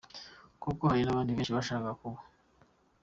kuko hari n’abandi benshi bashakaga kuba.